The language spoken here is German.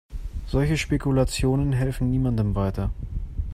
Solche Spekulationen helfen niemandem weiter.